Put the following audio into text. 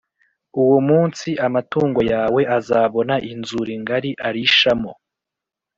Uwo munsi, amatungo yawe azabona inzuri ngari arishamo